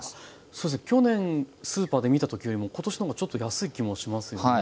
そうですね去年スーパーで見た時よりも今年の方がちょっと安い気もしますよね。